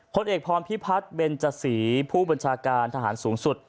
พลเอกพรพิพัฒน์เบนจสีผู้บัญชาการทหารสูงสุด